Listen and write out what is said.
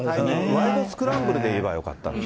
ワイドスクランブルで言えばよかったのに。